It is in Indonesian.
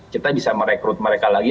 kita bisa merekrut mereka lagi